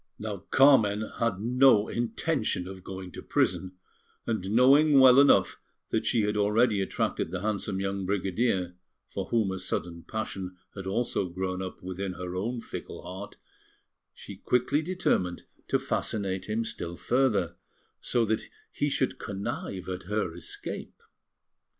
Now Carmen had no intention of going to prison; and knowing well enough that she had already attracted the handsome young brigadier, for whom a sudden passion had also grown up within her own fickle heart, she quickly determined to fascinate him still further, so that he should connive at her escape.